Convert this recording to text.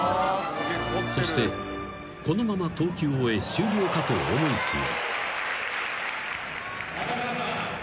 ［そしてこのまま投球を終え終了かと思いきや］